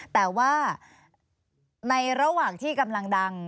แต่ว่าในระหว่างที่กำลังดัง